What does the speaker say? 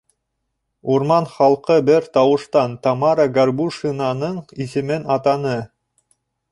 Урман халҡы бер тауыштан Тамара Горбушинаның исемен атаны.